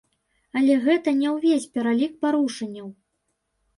Але гэта не ўвесь пералік парушэнняў.